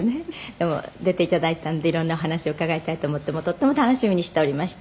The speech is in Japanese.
「でも出て頂いたので色んなお話を伺いたいと思ってとっても楽しみにしておりまして」